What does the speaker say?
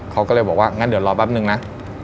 เขาก็เลยบอกว่างั้นเดี๋ยวรอแป๊บนึงนะ